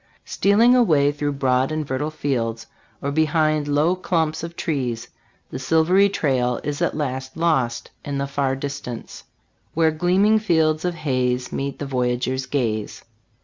Stealing away through broad and fertile fields, or behind low clumps of trees, the silvery trail is at last lost in the far distance, " Where gleaming fields of haze Meet the voyageur's gaze.'